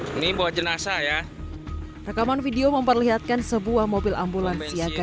hai ini buat jenazah ya rekaman video memperlihatkan sebuah mobil ambulansi aga